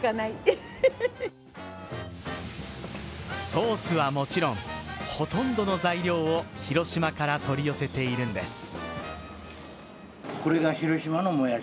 ソースはもちろん、ほとんどの材料を広島から取り寄せているんです。